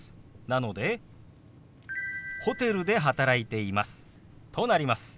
なので「ホテルで働いています」となります。